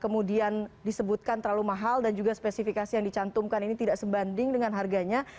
kemudian disebutkan terlalu mahal dan juga spesifikasi yang dicantumkan ini tidak sebanding dengan harganya